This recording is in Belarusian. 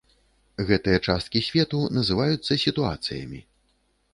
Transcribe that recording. Гэтыя часткі свету называюцца сітуацыямі.